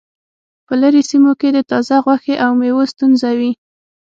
په لرې سیمو کې د تازه غوښې او میوو ستونزه وي